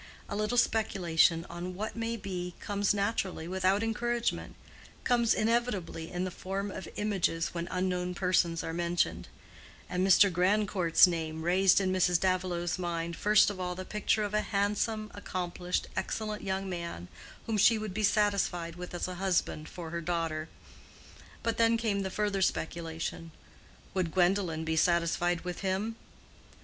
A little speculation on "what may be" comes naturally, without encouragement—comes inevitably in the form of images, when unknown persons are mentioned; and Mr. Grandcourt's name raised in Mrs. Davilow's mind first of all the picture of a handsome, accomplished, excellent young man whom she would be satisfied with as a husband for her daughter; but then came the further speculation—would Gwendolen be satisfied with him?